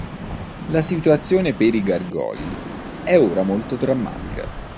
La situazione per i gargoyle è ora molto drammatica.